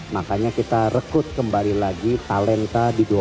makanya kita rekut kembali lagi talenta di dua belas kota